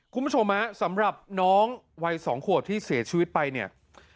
คุณผู้ชมฮะสำหรับน้องวัย๒ขวบที่เสียชีวิตไปเนี่ย